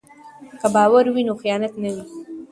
که باور وي نو خیانت نه وي.